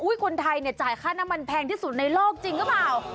คนไทยเนี่ยจ่ายค่าน้ำมันแพงที่สุดในโลกจริงหรือเปล่า